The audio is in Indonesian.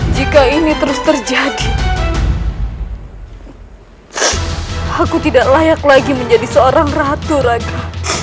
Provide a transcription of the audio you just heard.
jika ini terus terjadi aku tidak layak lagi menjadi seorang ratu lagi